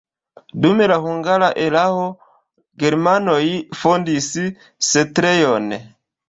Dum la hungara erao germanoj fondis setlejon.